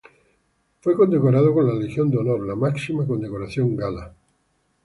Fue condecorado con la Legión de Honor, la máxima condecoración gala.